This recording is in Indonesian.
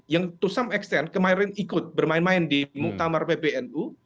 yang kemarin ikut bermain main di tamar pbnu